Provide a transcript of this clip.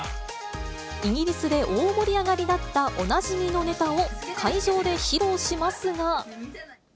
イギリスで大盛り上がりだったおなじみのネタを会場で披露します